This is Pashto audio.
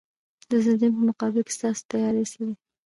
د زلزلې په مقابل کې ستاسو تیاری څه دی؟